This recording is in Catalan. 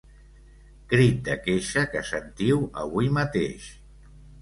Crit de queixa que sentiu avui mateix.